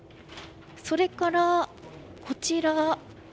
それから、こちら。